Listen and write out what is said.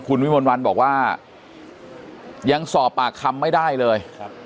คุณวิมลวันบอกว่ายังสอบปากคำไม่ได้เลย